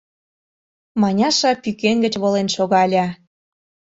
Маняша пӱкен гыч волен шогале.